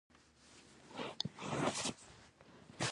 جانداد د ښه نیت پر بنسټ ولاړ دی.